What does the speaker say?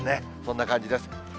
そんな感じです。